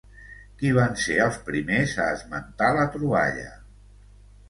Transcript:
Qui van ser els primers a esmentar la troballa?